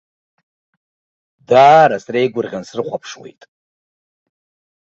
Даара среигәырӷьан срыхәаԥшуеит.